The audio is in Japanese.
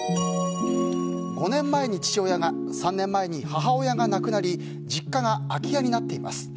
５年前に父親が３年前に母親が亡くなり実家が空き家になっています。